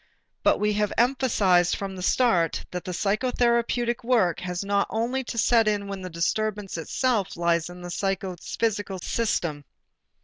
But we have emphasized from the start that the psychotherapeutic work has not only to set in when the disturbance itself lies in the psychophysical system.